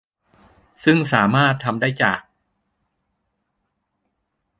ซึ่งสามารถทำได้จาก